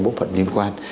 bộ phận liên quan